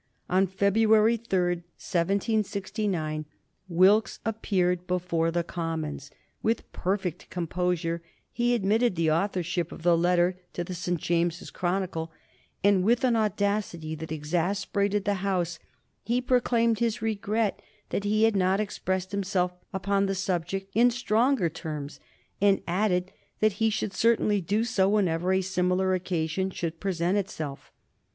On February 3, 1769, Wilkes appeared before the Commons. With perfect composure he admitted the authorship of the letter to the St. James's Chronicle, and, with an audacity that exasperated the House, he proclaimed his regret that he had not expressed himself upon the subject in stronger terms, and added that he should certainly do so whenever a similar occasion should present itself.